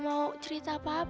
kau tuh wat gereipp taw prayed